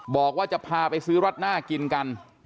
บอกว่าจะพาไปซื้อรัดหน้ากินกัน